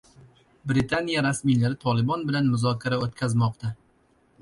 Britaniya rasmiylari Tolibon bilan muzokara o‘tkazmoqda